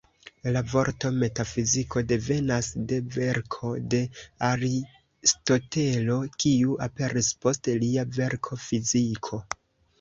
La vorto "metafiziko" devenas de verko de Aristotelo, kiu aperis "post" lia verko "fiziko".